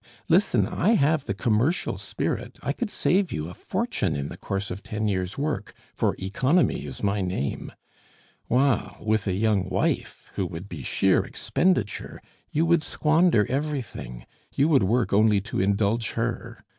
Listen; I have the commercial spirit; I could save you a fortune in the course of ten years' work, for Economy is my name! while, with a young wife, who would be sheer Expenditure, you would squander everything; you would work only to indulge her.